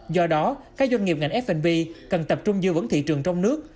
do đó các doanh nghiệp ngành f b cần tập trung giữ vững thị trường trong nước